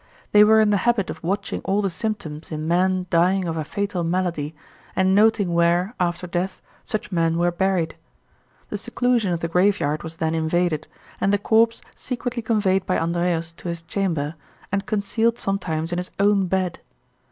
They were in the habit of watching all the symptoms in men dying of a fatal malady, and noting where, after death, such men were buried. The seclusion of the graveyard was then invaded, and the corpse secretly conveyed by Andreas to his chamber, and concealed sometimes in his own bed.